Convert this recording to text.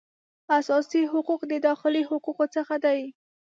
اساسي حقوق د داخلي حقوقو څخه دي